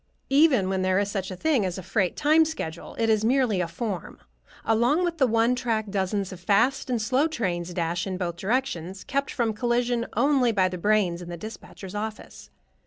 Even when there is such a thing as a freight time schedule, it is merely a form. Along the one track dozens of fast and slow trains dash in both directions, kept from collision only by the brains in the dispatcher's office.